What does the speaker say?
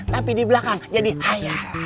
tapi di belakang jadi ayah